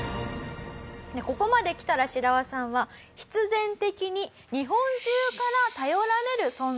ここまできたらシラワさんは必然的に日本中から頼られる存在になっていきます。